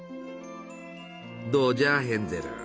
どうじゃヘンゼル？